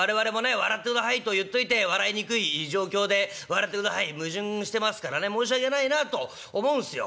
「笑ってください」と言っといて笑いにくい状況で「笑ってください」。矛盾してますからね申し訳ないなと思うんすよ。